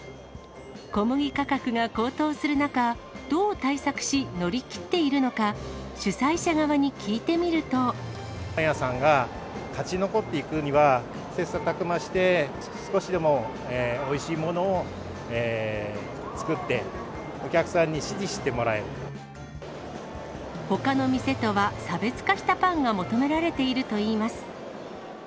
小麦価格が高騰する中、どう対策し、乗り切っているのか、パン屋さんが勝ち残っていくには、切磋琢磨して、少しでもおいしいものを作って、ほかの店とは差別化したパンが求められているといいます。